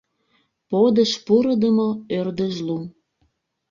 Подыш пурыдымо ӧрдыжлу!